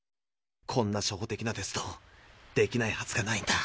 こんな初歩的なテストできないはずがないんだ。